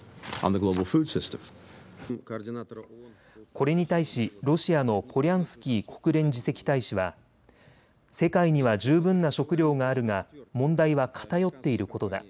これに対しロシアのポリャンスキー国連次席大使は世界には十分な食料があるが問題は偏っていることだ。